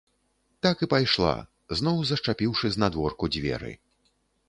Так і пайшла, зноў зашчапіўшы знадворку дзверы.